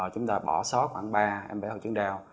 chúng ta bỏ sót khoảng ba em bé hội chứng đau